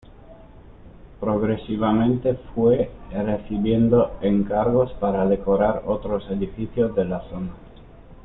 Progresivamente fue recibiendo encargos para decorar otros edificios de la zona.